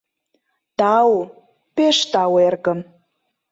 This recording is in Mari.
— Тау, пеш тау, эргым!